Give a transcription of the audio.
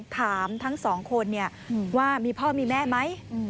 ถามทั้งสองคนว่ามีพ่อมีแม่ไหม